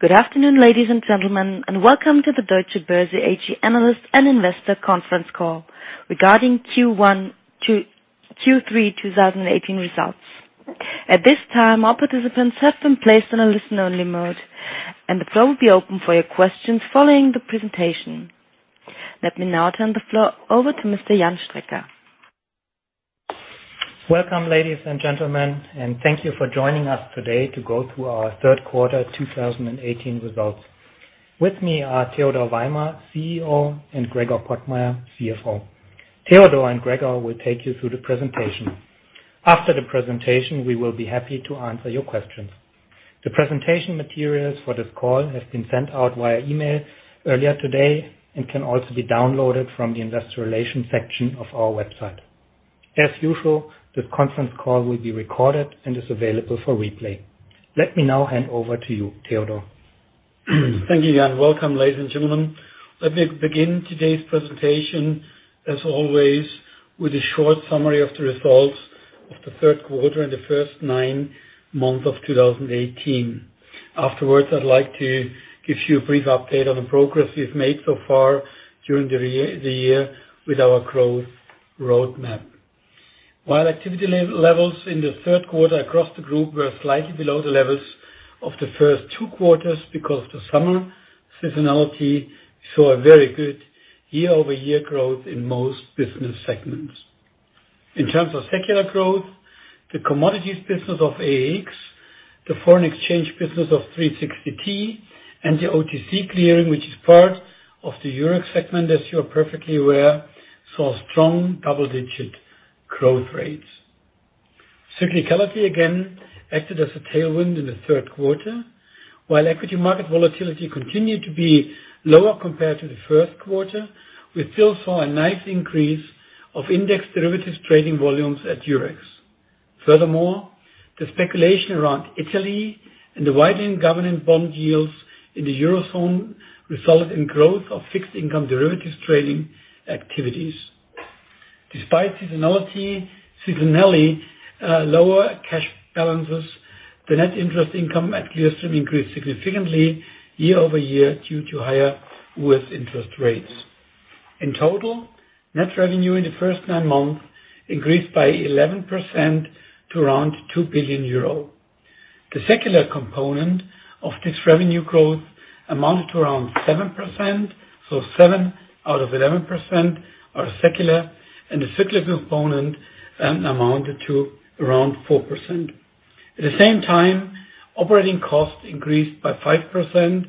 Good afternoon, ladies and gentlemen. Welcome to the Deutsche Börse AG analyst and investor conference call regarding Q3 2018 results. At this time, all participants have been placed on a listen-only mode. The floor will be open for your questions following the presentation. Let me now turn the floor over to Mr. Jan Strecker. Welcome, ladies and gentlemen. Thank you for joining us today to go through our third quarter 2018 results. With me are Theodor Weimer, CEO, and Gregor Pottmeyer, CFO. Theodor and Gregor will take you through the presentation. After the presentation, we will be happy to answer your questions. The presentation materials for this call have been sent out via email earlier today and can also be downloaded from the investor relations section of our website. As usual, this conference call will be recorded and is available for replay. Let me now hand over to you, Theodor. Thank you, Jan. Welcome, ladies and gentlemen. Let me begin today's presentation, as always, with a short summary of the results of the third quarter and the first nine months of 2018. Afterwards, I'd like to give you a brief update on the progress we've made so far during the year with our growth Roadmap. While activity levels in the third quarter across the group were slightly below the levels of the first two quarters because the summer seasonality saw a very good year-over-year growth in most business segments. In terms of secular growth, the commodities business of EEX, the foreign exchange business of 360T, the OTC clearing, which is part of the Eurex segment, as you are perfectly aware, saw strong double-digit growth rates. Cyclicality again acted as a tailwind in the third quarter. While equity market volatility continued to be lower compared to the first quarter, we still saw a nice increase of index derivatives trading volumes at Eurex. Furthermore, the speculation around Italy and the widening government bond yields in the Eurozone resulted in growth of fixed income derivatives trading activities. Despite seasonally lower cash balances, the net interest income at Clearstream increased significantly year-over-year due to higher U.S. interest rates. In total, net revenue in the first nine months increased by 11% to around 2 billion euro. The secular component of this revenue growth amounted to around 7%. Seven out of 11% are secular, and the cyclic component amounted to around 4%. At the same time, operating costs increased by 5%,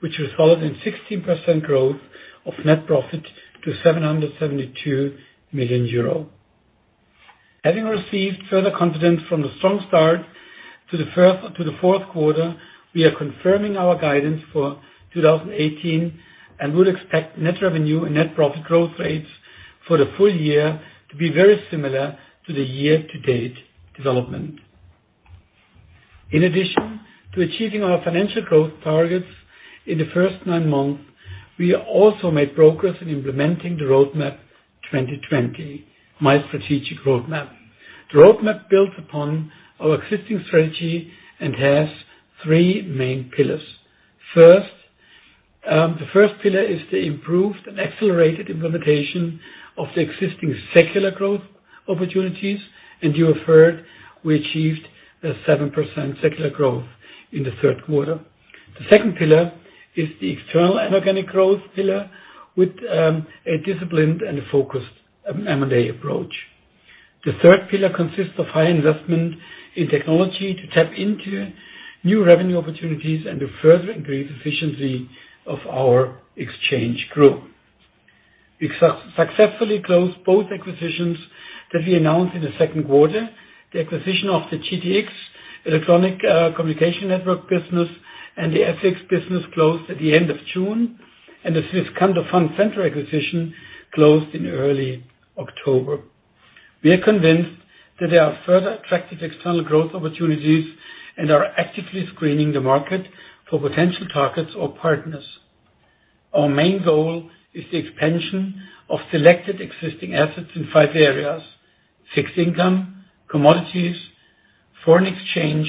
which resulted in 16% growth of net profit to 772 million euro. Having received further confidence from the strong start to the fourth quarter, we are confirming our guidance for 2018 and would expect net revenue and net profit growth rates for the full year to be very similar to the year-to-date development. In addition to achieving our financial growth targets in the first nine months, we also made progress in implementing the Roadmap 2020, my strategic roadmap. The roadmap builds upon our existing strategy and has three main pillars. The first pillar is the improved and accelerated implementation of the existing secular growth opportunities. You have heard we achieved a 7% secular growth in the third quarter. The second pillar is the external and organic growth pillar with a disciplined and focused M&A approach. The third pillar consists of high investment in technology to tap into new revenue opportunities and to further increase efficiency of our exchange group. We successfully closed both acquisitions that we announced in the second quarter. The acquisition of the GTX ECN business and the FX business closed at the end of June. The Swisscanto Fund Centre acquisition closed in early October. We are convinced that there are further attractive external growth opportunities and are actively screening the market for potential targets or partners. Our main goal is the expansion of selected existing assets in five areas: fixed income, commodities, foreign exchange,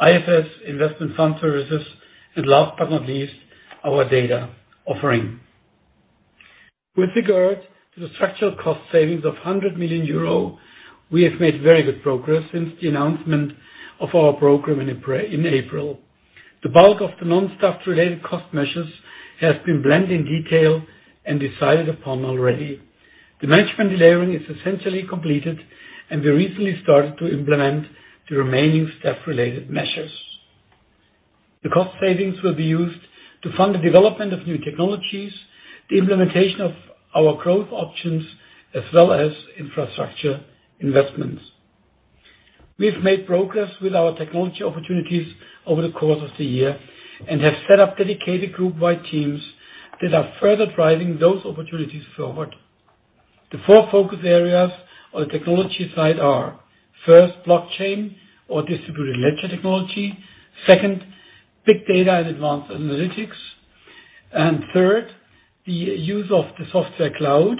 IFS Investment Fund Services, and last but not least, our data offering. With regard to the structural cost savings of 100 million euro, we have made very good progress since the announcement of our program in April. The bulk of the non-staff-related cost measures has been planned in detail and decided upon already. The management delayering is essentially completed, and we recently started to implement the remaining staff-related measures. The cost savings will be used to fund the development of new technologies, the implementation of our growth options, as well as infrastructure investments. We've made progress with our technology opportunities over the course of the year and have set up dedicated group-wide teams that are further driving those opportunities forward. The four focus areas on the technology side are, first, blockchain or distributed ledger technology. Second, big data and advanced analytics. Third, the use of the software cloud.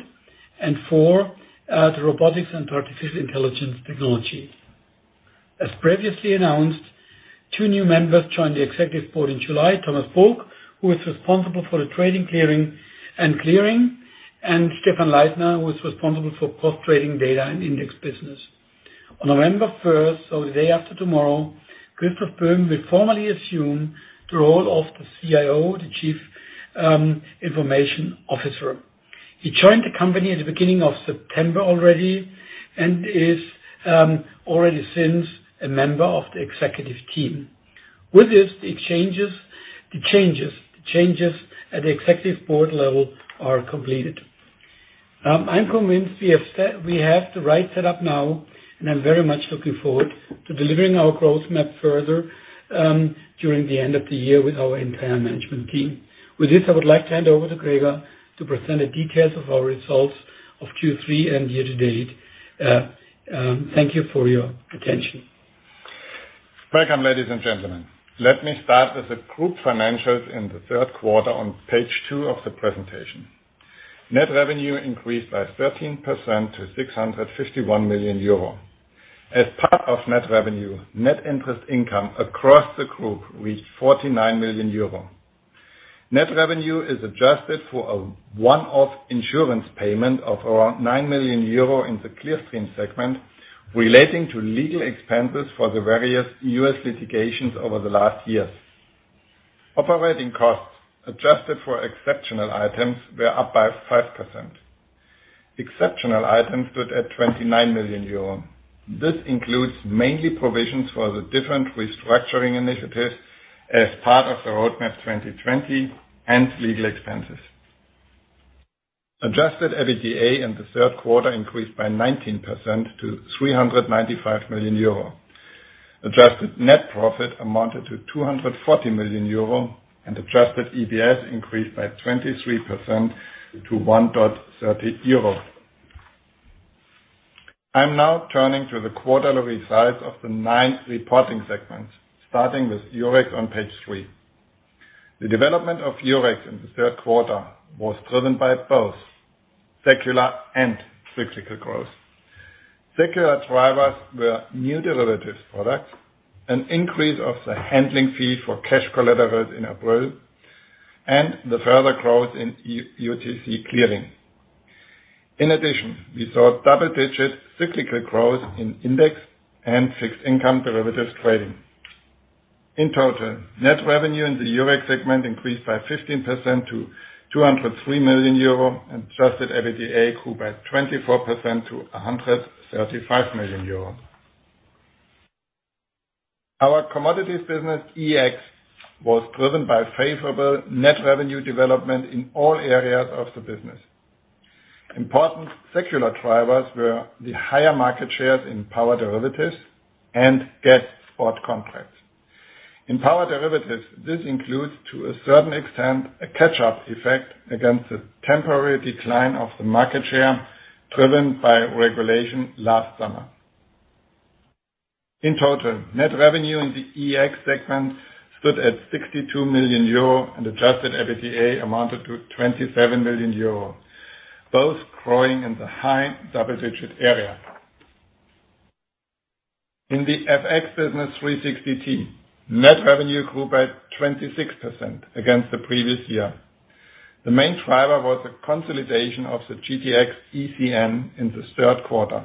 Four, the robotics and artificial intelligence technology. As previously announced, two new members joined the executive board in July, Thomas Book, who is responsible for the Trading & Clearing, and Stephan Leithner, who is responsible for post-trading data and index business. On November 1st, so the day after tomorrow, Christoph Böhm will formally assume the role of the CIO, the Chief Information Officer. He joined the company at the beginning of September already and is since a member of the executive team. With this, the changes at the executive board level are completed. I'm convinced we have the right set up now, and I'm very much looking forward to delivering our growth map further, during the end of the year with our entire management team. With this, I would like to hand over to Gregor to present the details of our results of Q3 and year-to-date. Thank you for your attention. Welcome, ladies and gentlemen. Let me start with the group financials in the third quarter on page two of the presentation. Net revenue increased by 13% to 651 million euro. As part of net revenue, net interest income across the group reached 49 million euro. Net revenue is adjusted for a one-off insurance payment of around 9 million euro in the Clearstream segment, relating to legal expenses for the various U.S. litigations over the last years. Operating costs, adjusted for exceptional items, were up by 5%. Exceptional items stood at 29 million euro. This includes mainly provisions for the different restructuring initiatives as part of the Roadmap 2020 and legal expenses. Adjusted EBITDA in the third quarter increased by 19% to 395 million euro. Adjusted net profit amounted to 240 million euro and adjusted EPS increased by 23% to 1.30 euro. I'm now turning to the quarterly size of the nine reporting segments, starting with Eurex on page three. The development of Eurex in the third quarter was driven by both secular and cyclical growth. Secular drivers were new derivatives products, an increase of the handling fee for cash collaterals in April, and the further growth in OTC Clearing. We saw double-digit cyclical growth in index and fixed income derivatives trading. In total, net revenue in the Eurex segment increased by 15% to 203 million euro and adjusted EBITDA grew by 24% to 135 million euro. Our commodities business, EEX, was driven by favorable net revenue development in all areas of the business. Important secular drivers were the higher market shares in power derivatives and gas spot contracts. In power derivatives, this includes, to a certain extent, a catch-up effect against the temporary decline of the market share driven by regulation last summer. In total, net revenue in the EEX segment stood at 62 million euro and adjusted EBITDA amounted to 27 million euro, both growing in the high double-digit area. In the FX business 360T, net revenue grew by 26% against the previous year. The main driver was the consolidation of the GTX ECN in the third quarter.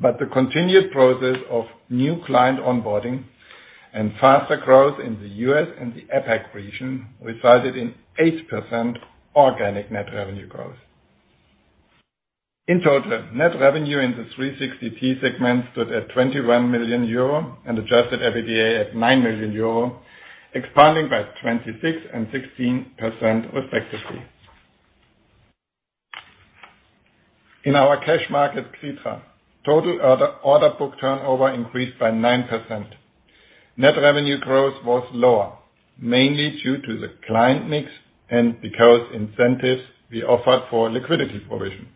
The continued process of new client onboarding and faster growth in the U.S. and the APAC region resulted in 8% organic net revenue growth. In total, net revenue in the 360T segment stood at 21 million euro and adjusted EBITDA at 9 million euro, expanding by 26% and 16% respectively. In our cash market, Xetra, total order book turnover increased by 9%. Net revenue growth was lower, mainly due to the client mix and because incentives we offered for liquidity provision.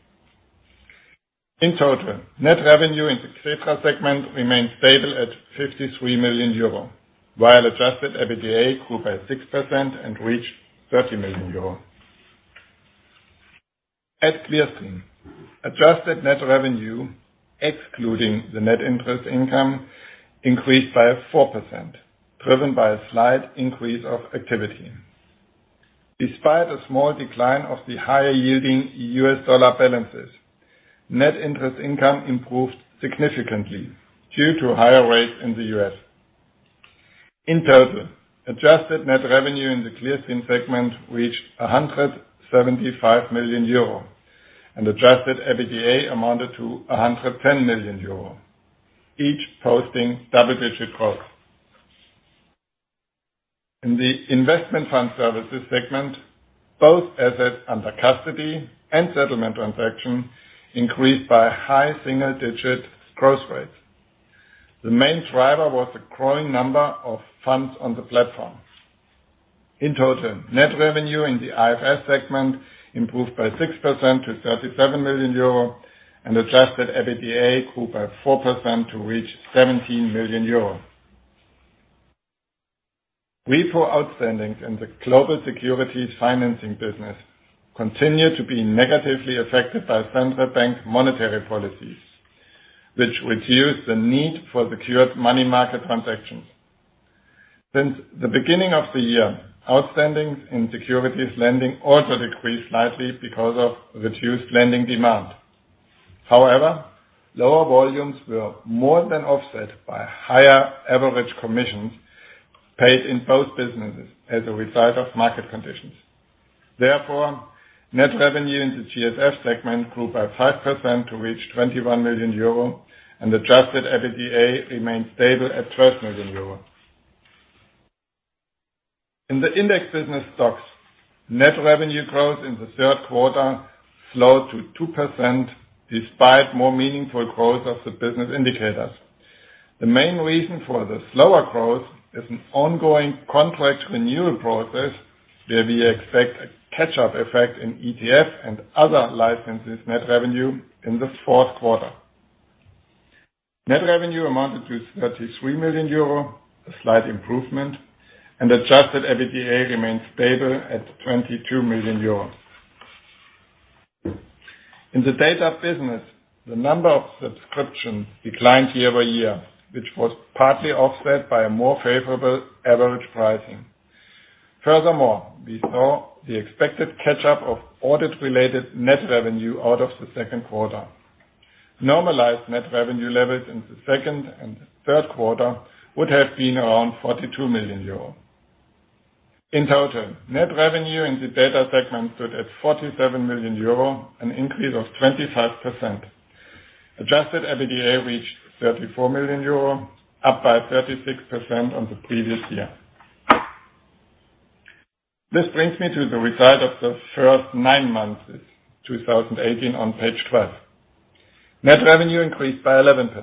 In total, net revenue in the Xetra segment remained stable at 53 million euro, while adjusted EBITDA grew by 6% and reached 30 million euro. At Clearstream, adjusted net revenue, excluding the net interest income, increased by 4%, driven by a slight increase of activity. Despite a small decline of the higher-yielding U.S. dollar balances, net interest income improved significantly due to higher rates in the U.S. In total, adjusted net revenue in the Clearstream segment reached 175 million euro and adjusted EBITDA amounted to 110 million euro, each posting double-digit growth. In the Investment Fund Services segment, both assets under custody and settlement transactions increased by high single-digit growth rates. The main driver was the growing number of funds on the platform. In total, net revenue in the IFS segment improved by 6% to 37 million euro and adjusted EBITDA grew by 4% to reach 17 million euro. Repo outstandings in the global securities financing business continue to be negatively affected by central bank monetary policies, which reduce the need for secured money market transactions. Since the beginning of the year, outstandings in securities lending also decreased slightly because of reduced lending demand. However, lower volumes were more than offset by higher average commissions paid in both businesses as a result of market conditions. Therefore, net revenue in the GSF segment grew by 5% to reach 21 million euro, and adjusted EBITDA remained stable at 12 million euro. In the index business STOXX, net revenue growth in the third quarter slowed to 2% despite more meaningful growth of the business indicators. The main reason for the slower growth is an ongoing contract renewal process, where we expect a catch-up effect in ETF and other licenses net revenue in the fourth quarter. Net revenue amounted to 33 million euro, a slight improvement, and adjusted EBITDA remains stable at 22 million euro. In the data business, the number of subscriptions declined year-over-year, which was partly offset by a more favorable average pricing. Furthermore, we saw the expected catch-up of audit-related net revenue out of the second quarter. Normalized net revenue levels in the second and third quarter would have been around 42 million euro. In total, net revenue in the data segment stood at 47 million euro, an increase of 25%. Adjusted EBITDA reached 34 million euro, up by 36% on the previous year. This brings me to the result of the first nine months of 2018 on page 12. Net revenue increased by 11%,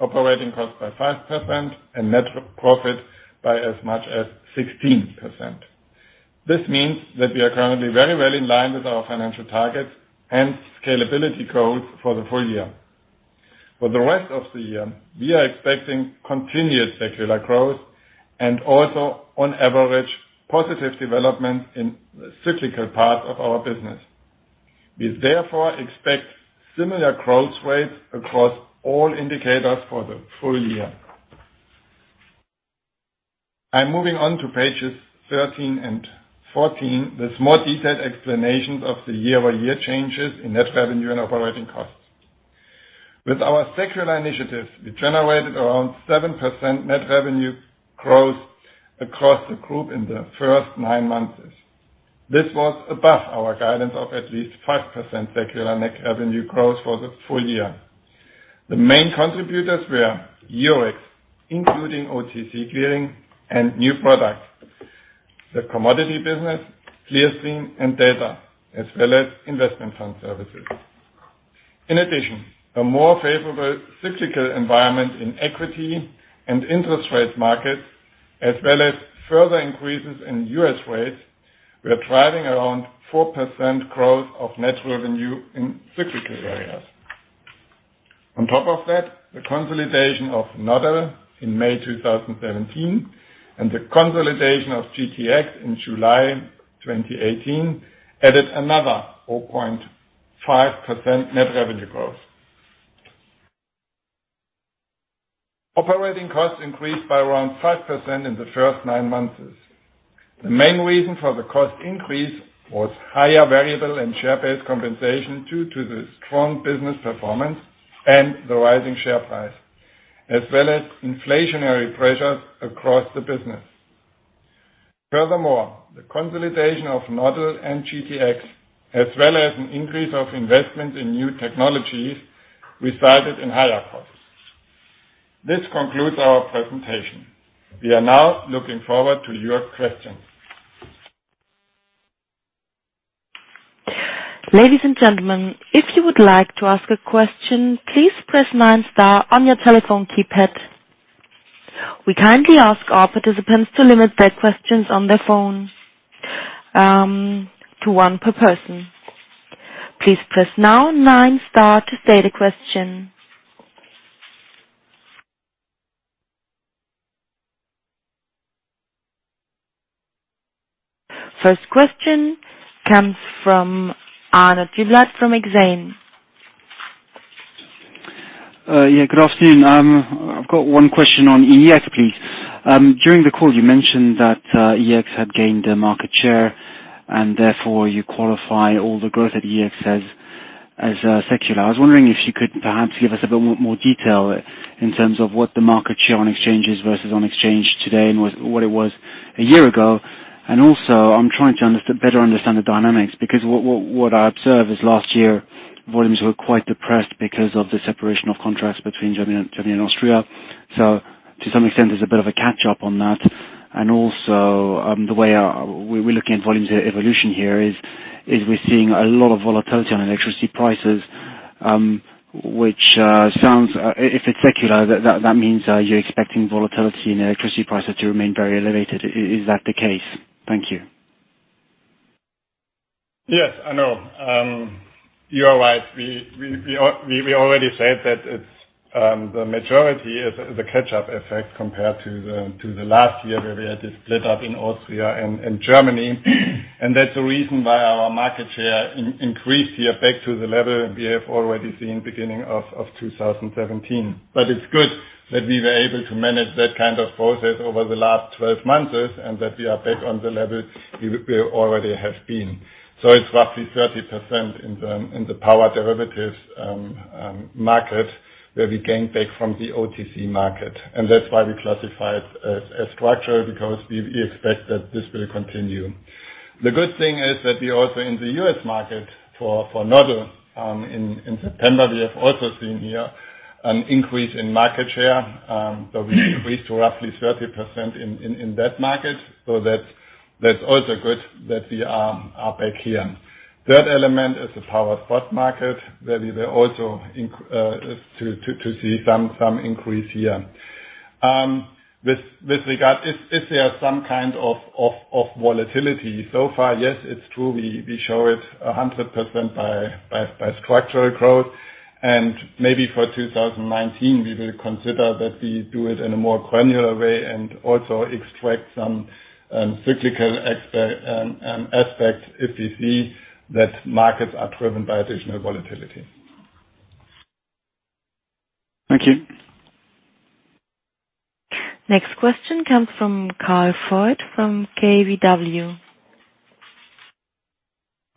operating costs by 5%, and net profit by as much as 16%. This means that we are currently very well in line with our financial targets and scalability growth for the full year. For the rest of the year, we are expecting continued secular growth and also, on average, positive development in the cyclical part of our business. We, therefore, expect similar growth rates across all indicators for the full year. I am moving on to pages 13 and 14. There is more detailed explanations of the year-over-year changes in net revenue and operating costs. With our secular initiatives, we generated around 7% net revenue growth across the group in the first nine months. This was above our guidance of at least 5% secular net revenue growth for the full year. The main contributors were Eurex, including OTC clearing and new products, the commodity business, Clearstream, and data, as well as Investment Fund Services. In addition, a more favorable cyclical environment in equity and interest rate markets, as well as further increases in U.S. rates, we are driving around 4% growth of net revenue in cyclical areas. On top of that, the consolidation of Nodal in May 2017 and the consolidation of GTX in July 2018 added another 0.5% net revenue growth. Operating costs increased by around 5% in the first nine months. The main reason for the cost increase was higher variable and share-based compensation due to the strong business performance and the rising share price, as well as inflationary pressures across the business. Furthermore, the consolidation of Nodal and GTX, as well as an increase of investment in new technologies, resulted in higher costs. This concludes our presentation. We are now looking forward to your questions. Ladies and gentlemen, if you would like to ask a question, please press nine star on your telephone keypad. We kindly ask our participants to limit their questions on their phone to one per person. Please press now nine star to state a question. First question comes from Arnaud Giblat from Exane. Yeah. Good afternoon. I've got one question on EEX, please. During the call, you mentioned that EEX had gained a market share, and therefore you qualify all the growth at EEX as secular. I was wondering if you could perhaps give us a bit more detail in terms of what the market share on exchange is versus on exchange today and what it was a year ago. Also, I'm trying to better understand the dynamics, because what I observed is last year, volumes were quite depressed because of the separation of contracts between Germany and Austria. So to some extent, there's a bit of a catch-up on that. Also, the way we're looking at volumes evolution here is we're seeing a lot of volatility on electricity prices. Which sounds, if it's secular, that means you're expecting volatility in electricity prices to remain very elevated. Is that the case? Thank you. Yes, Arnaud. You are right. We already said that the majority is the catch-up effect compared to the last year, where we had to split up in Austria and Germany. That's the reason why our market share increased here back to the level we have already seen beginning of 2017. It's good that we were able to manage that kind of process over the last 12 months and that we are back on the level we already have been. It's roughly 30% in the power derivatives market, where we gained back from the OTC market. That's why we classify it as structural, because we expect that this will continue. The good thing is that we also, in the U.S. market for Nodal in September, we have also seen here an increase in market share. We increased to roughly 30% in that market. That's also good that we are back here. Third element is the power spot market, where we were also to see some increase here. With regard, if there are some kind of volatility so far, yes, it's true. We show it 100% by structural growth. Maybe for 2019, we will consider that we do it in a more granular way and also extract some cyclical aspect, if we see that markets are driven by additional volatility. Thank you. Next question comes from Kyle Voigt from KBW.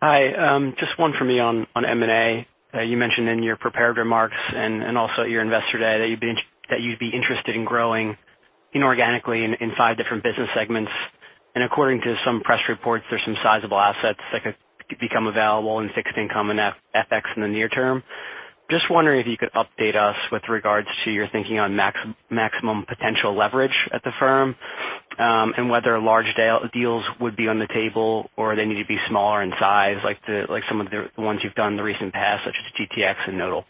Hi. Just one for me on M&A. You mentioned in your prepared remarks and also at your investor day that you'd be interested in growing inorganically in five different business segments. According to some press reports, there's some sizable assets that could become available in fixed income and FX in the near term. Just wondering if you could update us with regards to your thinking on maximum potential leverage at the firm, and whether large deals would be on the table or they need to be smaller in size like some of the ones you've done in the recent past, such as the GTX and Nodal.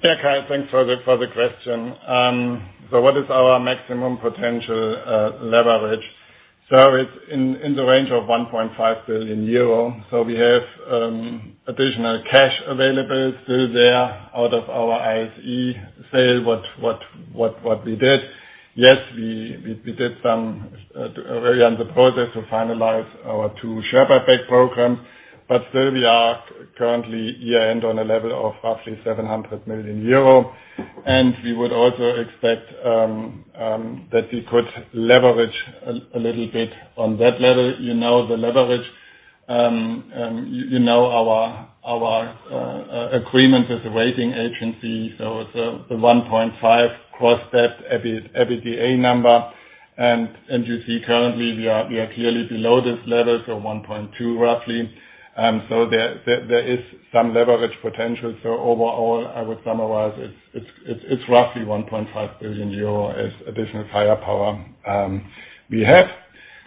Yeah. Kyle, thanks for the question. What is our maximum potential leverage? It's in the range of 1.5 billion euro. We have additional cash available still there out of our ISE sale. Yes, we are in the process to finalize our two share buyback program, but still we are currently year-end on a level of roughly 700 million euro. We would also expect that we could leverage a little bit on that level. You know the leverage. You know our agreement with the rating agency. It's the 1.5 across that EBITDA number. You see currently, we are clearly below this level, 1.2 roughly. There is some leverage potential. Overall, I would summarize it's roughly 1.5 billion euro as additional firepower we have.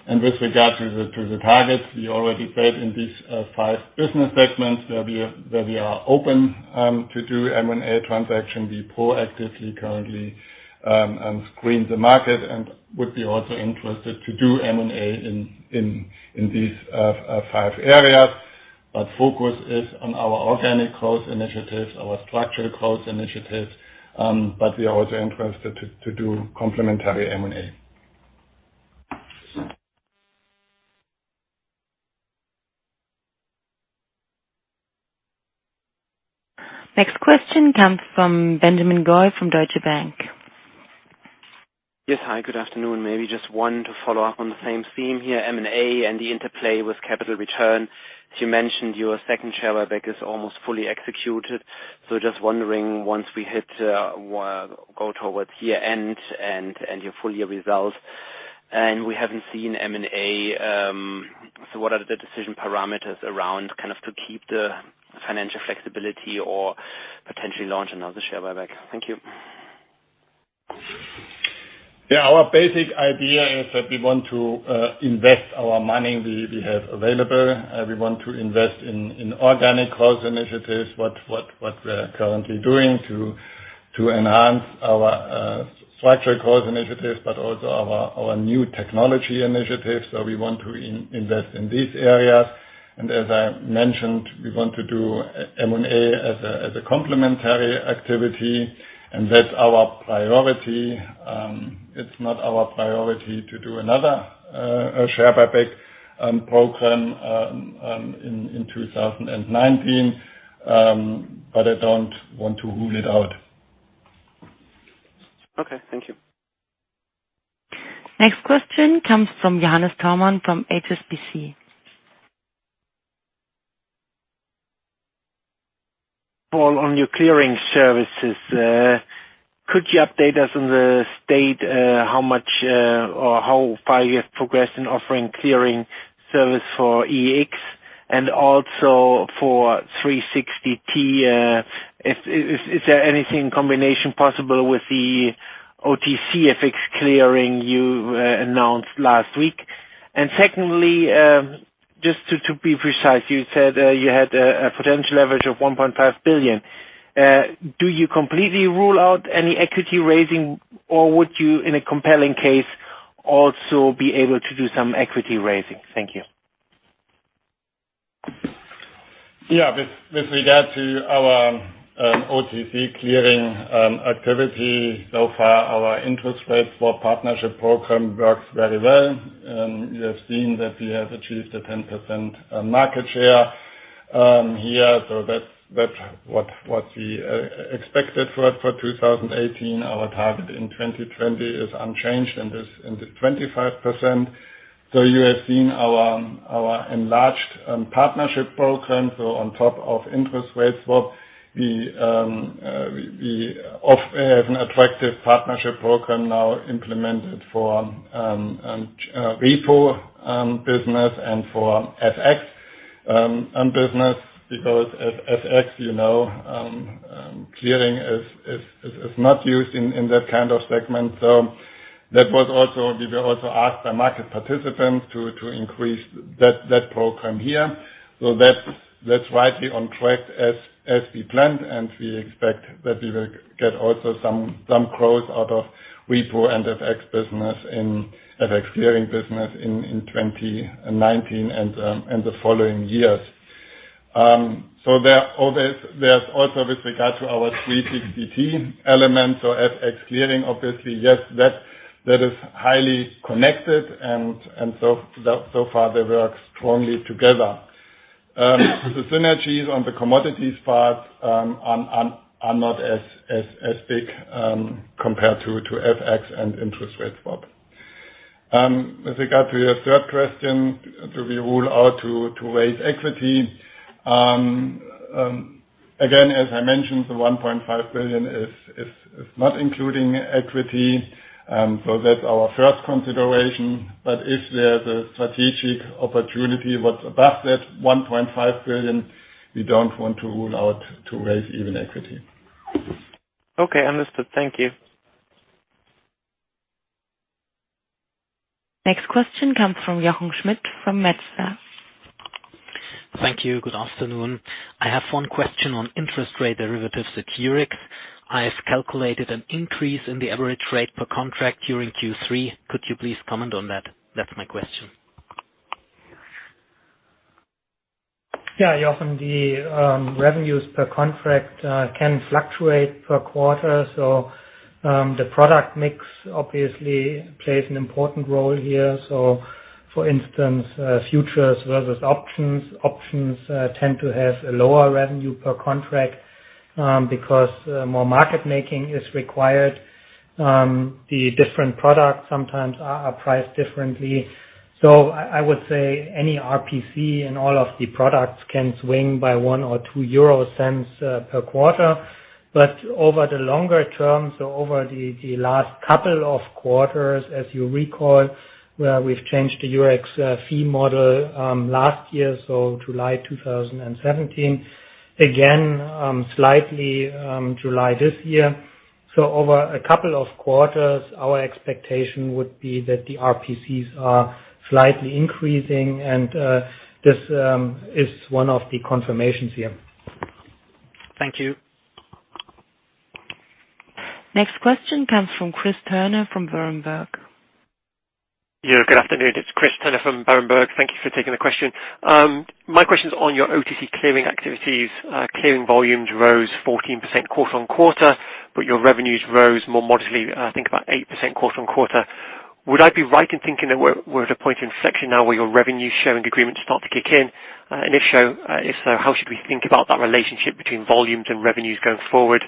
With regard to the targets, we already said in these five business segments that we are open to do M&A transaction. We proactively currently screen the market and would be also interested to do M&A in these five areas. Focus is on our organic growth initiatives, our structural growth initiatives. We are also interested to do complementary M&A. Next question comes from Benjamin Goy from Deutsche Bank. Yes. Hi, good afternoon. Maybe just one to follow up on the same theme here, M&A and the interplay with capital return. As you mentioned, your second share buyback is almost fully executed. Just wondering, once we go towards year-end and your full year results, and we haven't seen M&A. What are the decision parameters around, kind of to keep the financial flexibility or potentially launch another share buyback? Thank you. Yeah. Our basic idea is that we want to invest our money we have available. We want to invest in organic growth initiatives, what we're currently doing to enhance our structural growth initiatives, but also our new technology initiatives. We want to invest in these areas. As I mentioned, we want to do M&A as a complementary activity, and that's our priority. It's not our priority to do another share buyback program in 2019. I don't want to rule it out. Okay. Thank you. Next question comes from Johannes Thormann from HSBC. [Gregor], on your clearing services, could you update us on the state, how much, or how far you have progressed in offering clearing service for EEX and also for 360T? Is there anything combination possible with the OTC FX clearing you announced last week. Secondly, just to be precise, you said you had a potential leverage of 1.5 billion. Do you completely rule out any equity raising, or would you, in a compelling case, also be able to do some equity raising? Thank you. With regard to our OTC Clearing activity, our interest rate swap partnership program works very well. You have seen that we have achieved a 10% market share here. That's what we expected for 2018. Our target in 2020 is unchanged and is 25%. You have seen our enlarged partnership program. On top of interest rate swap, we have an attractive partnership program now implemented for repo business and for FX business, because FX clearing is not used in that kind of segment. We were also asked by market participants to increase that program here. That's rightly on track as we planned, and we expect that we will get also some growth out of repo and FX clearing business in 2019 and the following years. There's also with regard to our 360T element, FX clearing, obviously, yes, that is highly connected, and they work strongly together. The synergies on the commodities part are not as big compared to FX and interest rate swap. With regard to your third question, do we rule out to raise equity? Again, as I mentioned, the €1.5 billion is not including equity. That's our first consideration. If there's a strategic opportunity, what's above that €1.5 billion, we don't want to rule out to raise even equity. Okay, understood. Thank you. Next question comes from Jochen Schmitt from Metzler. Thank you. Good afternoon. I have one question on interest rate derivatives at Eurex. I have calculated an increase in the average rate per contract during Q3. Could you please comment on that? That's my question. Yeah, Jochen, the revenues per contract can fluctuate per quarter. The product mix obviously plays an important role here. For instance, futures versus options. Options tend to have a lower revenue per contract because more market making is required. The different products sometimes are priced differently. I would say any RPC in all of the products can swing by 0.01 or 0.02 per quarter. Over the longer term, over the last couple of quarters, as you recall, we've changed the Eurex fee model last year, July 2017. Again, slightly July this year. Over a couple of quarters, our expectation would be that the RPCs are slightly increasing, and this is one of the confirmations here. Thank you. Next question comes from Chris Turner from Berenberg. Good afternoon. It's Chris Turner from Berenberg. Thank you for taking the question. My question is on your OTC Clearing activities. Clearing volumes rose 14% quarter-on-quarter, but your revenues rose more modestly, I think about 8% quarter-on-quarter. Would I be right in thinking that we're at a point of inflection now where your revenue sharing agreement start to kick in? If so, how should we think about that relationship between volumes and revenues going forward?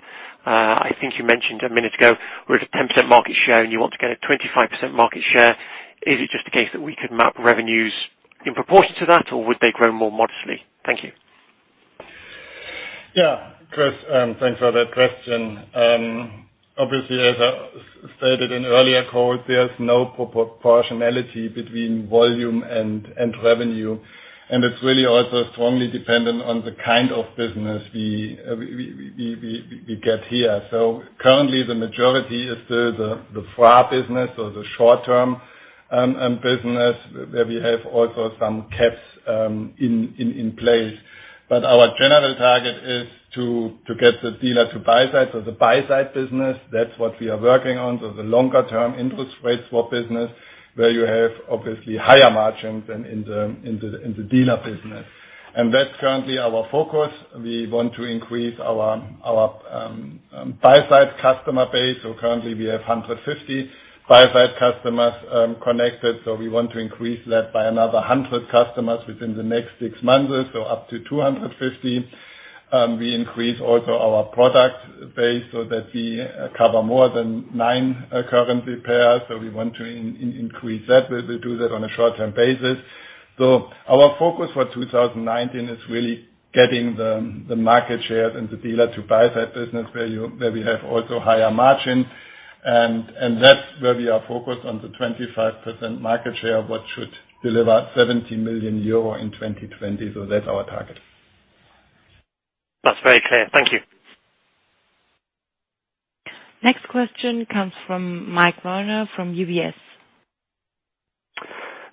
I think you mentioned a minute ago we're at a 10% market share. You want to get a 25% market share. Is it just the case that we could map revenues in proportion to that, or would they grow more modestly? Thank you. Chris, thanks for that question. Obviously, as I stated in earlier call, there's no proportionality between volume and revenue, and it's really also strongly dependent on the kind of business we get here. Currently the majority is the FRA business or the short-term business, where we have also some caps in place. Our general target is to get the dealer-to-buy-side, so the buy-side business. That's what we are working on. The longer-term interest rate swap business, where you have obviously higher margins than in the dealer business. That's currently our focus. We want to increase our buy-side customer base. Currently we have 150 buy-side customers connected. We want to increase that by another 100 customers within the next six months or so, up to 250. We increase also our product base so that we cover more than nine currency pairs. We want to increase that. We will do that on a short-term basis. Our focus for 2019 is really getting the market share in the dealer-to-buy-side business, where we have also higher margin, and that's where we are focused on the 25% market share, what should deliver 70 million euro in 2020. That's our target. Very clear. Thank you. Next question comes from Mike Werner from UBS.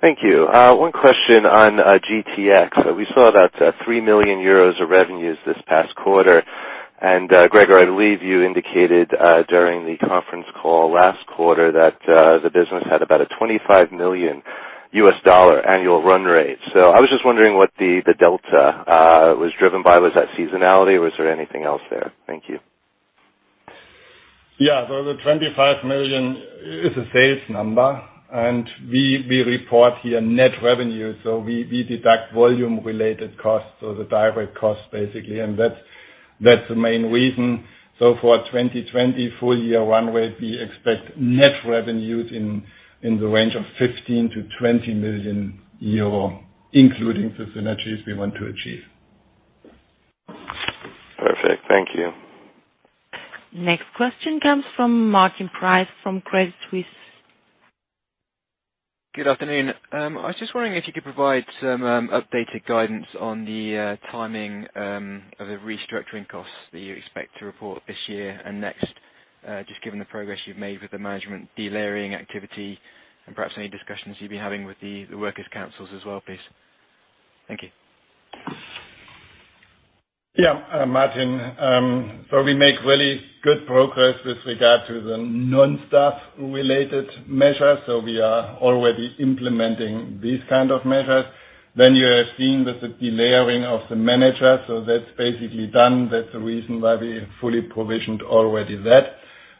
Thank you. One question on GTX. We saw that 3 million euros of revenues this past quarter. Gregor, I believe you indicated during the conference call last quarter that the business had about a $25 million annual run rate. I was just wondering what the delta was driven by. Was that seasonality, or was there anything else there? Thank you. The 25 million is a sales number, and we report here net revenue. We deduct volume-related costs or the direct costs, basically. That's the main reason. For our 2020 full-year run rate, we expect net revenues in the range of 15 million to 20 million euro, including the synergies we want to achieve. Perfect. Thank you. Next question comes from Martin Price from Credit Suisse. Good afternoon. I was just wondering if you could provide some updated guidance on the timing of the restructuring costs that you expect to report this year and next, just given the progress you've made with the management delayering activity and perhaps any discussions you've been having with the workers councils as well, please. Thank you. Martin. We make really good progress with regard to the non-staff related measures. We are already implementing these kind of measures. Then you are seeing the delayering of the managers. That's basically done. That's the reason why we fully provisioned already that.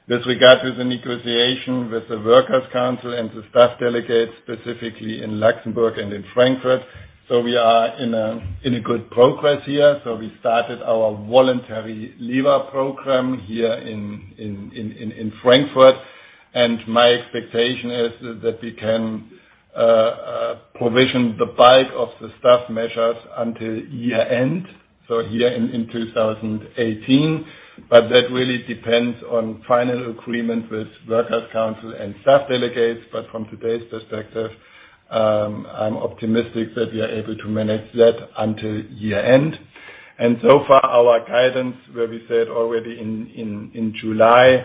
With regard to the negotiation with the workers council and the staff delegates, specifically in Luxembourg and in Frankfurt, we are in a good progress here. We started our voluntary leaver program here in Frankfurt, and my expectation is that we can provision the bulk of the staff measures until year-end, so here in 2018. That really depends on final agreement with workers council and staff delegates. But from today's perspective, I'm optimistic that we are able to manage that until year-end. So far, our guidance where we said already in July,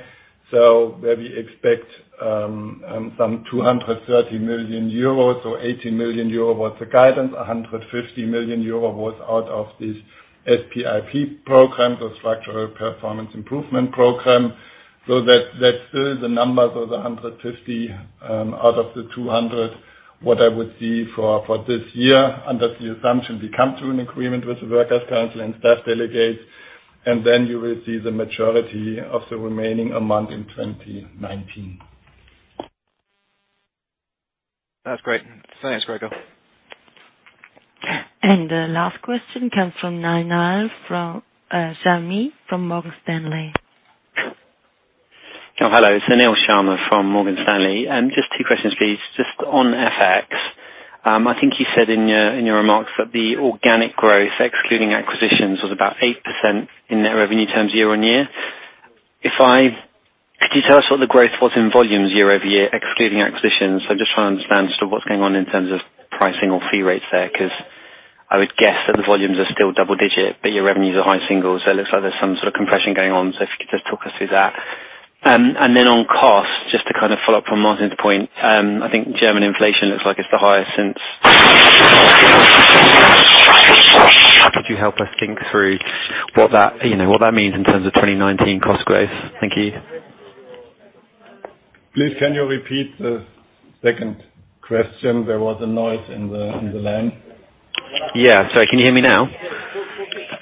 where we expect some 230 million euros, 80 million euros was the guidance, 150 million euros was out of these SPIP programs or structural performance improvement program. That's still the numbers of the 150 out of the 200, what I would see for this year, under the assumption we come to an agreement with the workers council and staff delegates, then you will see the majority of the remaining amount in 2019. That's great. Thanks, Gregor. The last question comes from [Anil Sharma] from Morgan Stanley. Hello. It's Anil Sharma from Morgan Stanley. Just two questions, please. Just on FX, I think you said in your remarks that the organic growth, excluding acquisitions, was about 8% in net revenue terms year-over-year. Could you tell us what the growth was in volumes year-over-year, excluding acquisitions? I'm just trying to understand sort of what's going on in terms of pricing or fee rates there, because I would guess that the volumes are still double digit, but your revenues are high single. It looks like there's some sort of compression going on. If you could just talk us through that. On cost, just to follow up from Martin's point, I think German inflation looks like it's the highest since could you help us think through what that means in terms of 2019 cost growth? Thank you. Please, can you repeat the second question? There was a noise in the line. Yeah. Sorry. Can you hear me now?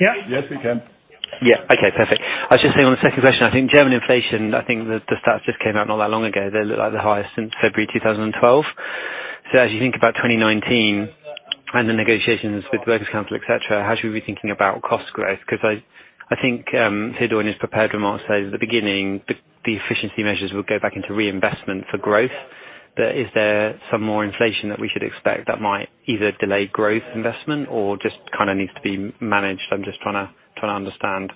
Yeah. Yes, we can. Yeah. Okay, perfect. I was just saying on the second question, German inflation, the stats just came out not that long ago. They look like the highest since February 2012. As you think about 2019 and the negotiations with workers council, et cetera, how should we be thinking about cost growth? Because I think Theo, in his prepared remarks, says at the beginning, the efficiency measures will go back into reinvestment for growth. Is there some more inflation that we should expect that might either delay growth investment or just kind of needs to be managed? I'm just trying to understand.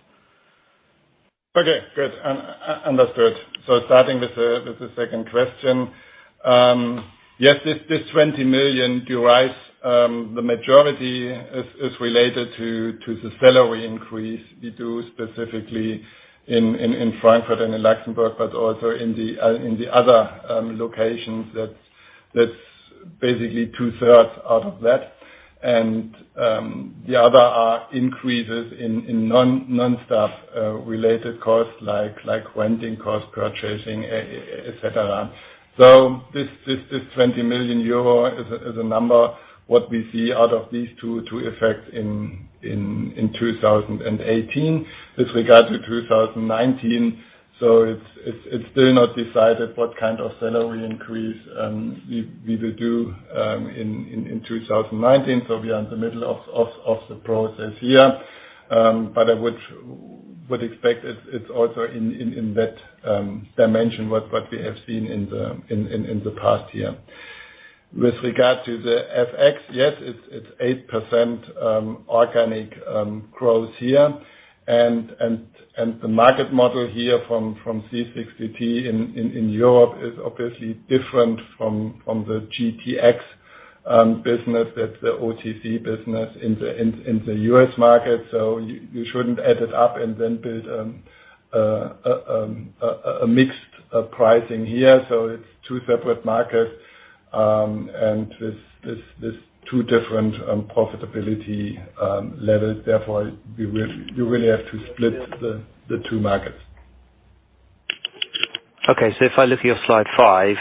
Okay, good. Understood. Starting with the second question. Yes, this 20 million you raise, the majority is related to the salary increase we do specifically in Frankfurt and in Luxembourg, but also in the other locations. That's basically two-thirds out of that. The other are increases in non-staff related costs like renting costs, purchasing, et cetera. This 20 million euro is a number what we see out of these two effects in 2018. With regard to 2019, it's still not decided what kind of salary increase we will do in 2019. We are in the middle of the process here. I would expect it's also in that dimension what we have seen in the past year. With regard to the FX, yes, it's 8% organic growth here. The market model here from 360T in Europe is obviously different from the GTX business, that's the OTC business in the U.S. market. You shouldn't add it up and then build a mixed pricing here. It's two separate markets, and there's two different profitability levels. Therefore, you really have to split the two markets. Okay. If I look at your slide five,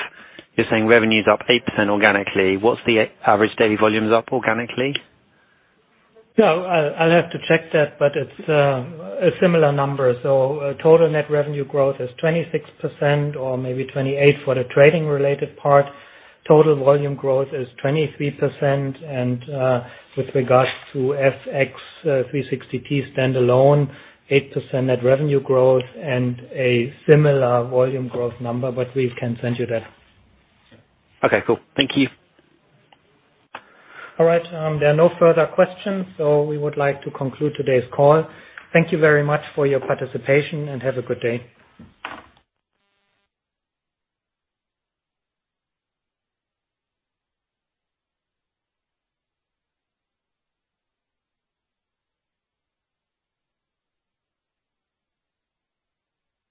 you're saying revenue's up 8% organically. What's the average daily volumes up organically? Yeah. I'll have to check that, but it's a similar number. Total net revenue growth is 26% or maybe 28 for the trading-related part. Total volume growth is 23%. With regards to FX 360T standalone, 8% net revenue growth and a similar volume growth number, but we can send you that. Okay, cool. Thank you. All right. There are no further questions, so we would like to conclude today's call. Thank you very much for your participation, and have a good day.